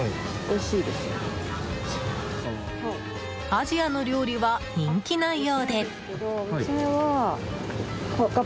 アジアの料理は人気なようで。